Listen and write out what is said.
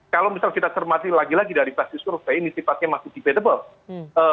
kalau misal kita cermati lagi lagi dari basis survei ini sifatnya masih debatable